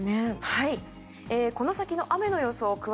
はい。